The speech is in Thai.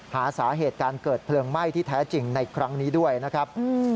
หาสาเหตุการเกิดเพลิงไหม้ที่แท้จริงในครั้งนี้ด้วยนะครับ